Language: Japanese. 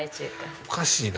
おかしいな。